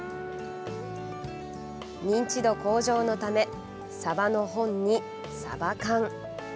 認知度向上のためサバの本に、サバ缶。